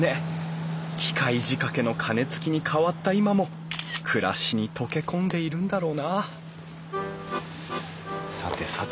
機械仕掛けの鐘つきに変わった今も暮らしに溶け込んでいるんだろうなさてさて